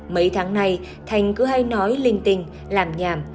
mấy tháng này thành cứ hay nói linh tình làm nhảm